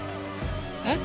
えっ？